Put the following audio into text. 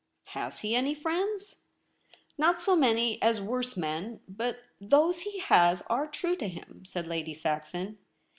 ' Has he any friends ?'* Not so many as worse men ; but those he has are true to him/ said Lady Saxon.